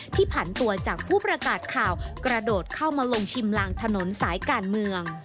ผ่านตัวจากผู้ประกาศข่าวกระโดดเข้ามาลงชิมลางถนนสายการเมือง